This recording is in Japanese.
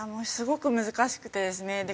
すごく難しくてですね。